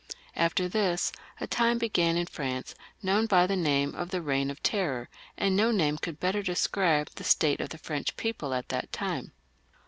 After this a time began in France known by the name of the Eeign of Terror, a,nd no name could better describe the state of the French people at that time.